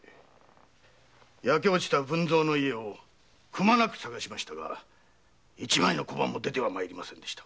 焼け落ちた文造の家をくまなく探しましたが一枚の小判も出ては参りませんでした。